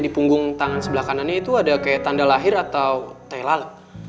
di punggung tangan sebelah kanannya itu ada kayak tanda lahir atau teh lalat